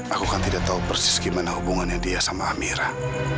aku kan tidak tahu persis gimana hubungannya dia sama amira